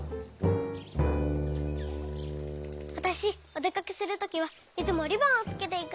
わたしおでかけするときはいつもリボンをつけていくのよ。